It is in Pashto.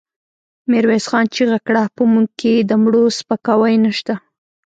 ميرويس خان چيغه کړه! په موږ کې د مړو سپکاوی نشته.